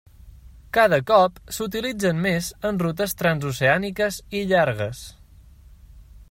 Cada cop s'utilitzen més en rutes transoceàniques i llargues.